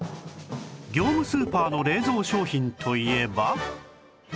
業務スーパーの冷蔵商品といえば